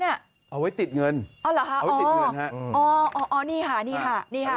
เอาไว้ติดเงินเอาไว้ติดเงินค่ะอ๋อนี่ค่ะนี่ค่ะนี่ค่ะ